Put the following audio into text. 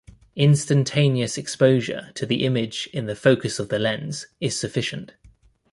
Instantaneous exposure to the image in the focus of the lens is sufficient.